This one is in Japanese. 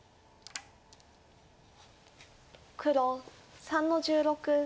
黒３の十六ハイ。